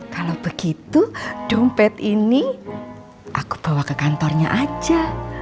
kalau begitu dompet ini aku bawa ke kantornya aja